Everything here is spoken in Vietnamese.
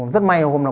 rất may hôm đó